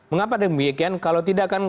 mengapa demikian kalau tidak akan